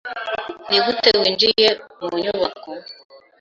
Nigute winjiye mu nyubako?